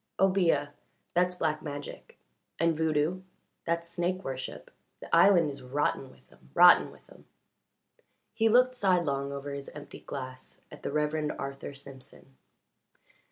"Obeah that's black magic; and voodoo that's snake worship. The island is rotten with 'em rotten with 'em." He looked sidelong over his empty glass at the Reverend Arthur Simpson.